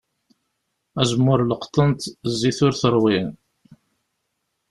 Azemmur leqḍen-t, zzit ur t-ṛwin.